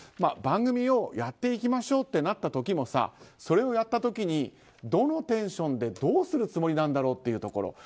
番組をやっていきましょうってなった時もさそれをやった時にどのテンションでどうするつもりなんだろうっていうところ。